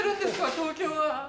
東京は。